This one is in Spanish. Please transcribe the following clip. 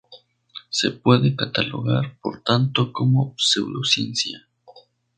Se puede catalogar, por tanto, como pseudociencia.